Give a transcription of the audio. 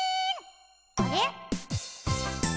あれ？